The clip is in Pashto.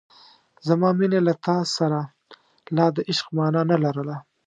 زما مینې له تا سره لا د عشق مانا نه لرله.